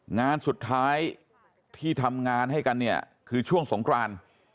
งานสุดท้ายที่ทำงานให้กันเนี่ยคือช่วงสงคราน